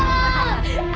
buka buka buka